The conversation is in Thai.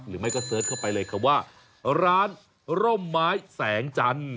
หรือไม่ก็เสิร์ชเข้าไปเลยครับว่าร้านร่มไม้แสงจันทร์